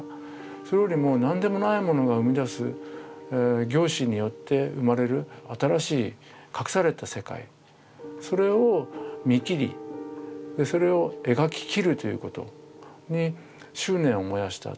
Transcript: それよりも何でもないものが生み出す凝視によって生まれる新しい隠された世界それを見切りそれを描き切るということに執念を燃やしたところがありますよね。